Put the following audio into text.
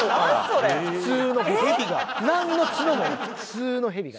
なんの角もない普通のヘビが。